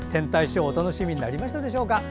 ショーお楽しみになりましたでしょうか。